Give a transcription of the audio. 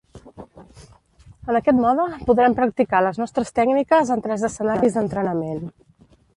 En aquest mode podrem practicar les nostres tècniques en tres escenaris d'entrenament.